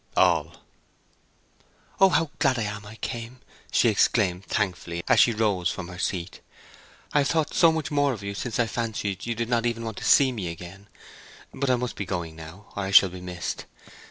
"All." "Oh, how glad I am I came!" she exclaimed, thankfully, as she rose from her seat. "I have thought so much more of you since I fancied you did not want even to see me again. But I must be going now, or I shall be missed.